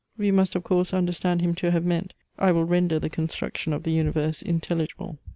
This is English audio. We must of course understand him to have meant; I will render the construction of the universe intelligible.